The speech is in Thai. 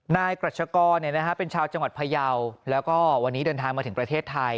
นายกรัชกรเป็นชาวจังหวัดพยาวแล้วก็วันนี้เดินทางมาถึงประเทศไทย